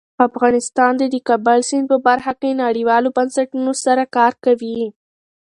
افغانستان د د کابل سیند په برخه کې نړیوالو بنسټونو سره کار کوي.